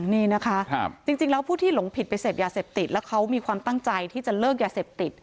นี่นะคะจริงแล้วผู้ที่หลงผิดไปเสพยาเสพติดแล้วเขามีความตั้งใจที่จะเลิกยาเสพติด